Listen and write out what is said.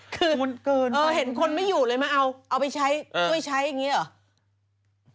คือเห็นคนไม่อยู่เลยมาเอาเอาไปใช้ช่วยใช้อย่างนี้เหรอ